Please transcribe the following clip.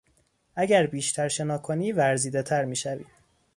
اگر بیشتر شنا کنی ورزیدهتر میشوی.